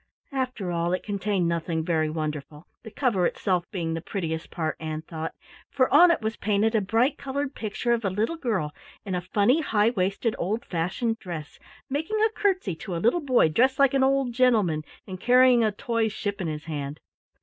After all it contained nothing very wonderful, the cover itself being the prettiest part, Ann thought, for on it was painted a bright colored picture of a little girl in a funny, high waisted, old fashioned dress, making a curtsy to a little boy dressed like an old gentleman and carrying a toy ship in his hand.